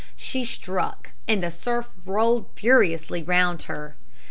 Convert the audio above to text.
She struck, and the surf rolled furiously round her.